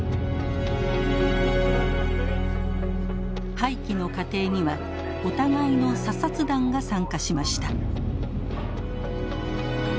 廃棄の過程にはお互いの査察団が参加しました。